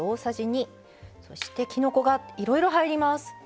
そしてきのこがいろいろ入ります。